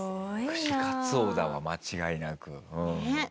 串かつ王だわ間違いなく。